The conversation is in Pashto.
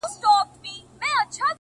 درد يې پاتېږي او له زړه نه يې درمان وځي-